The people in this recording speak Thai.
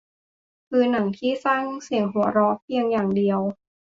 คือหนังที่สร้างเสียงหัวเราะเพียงอย่างเดียว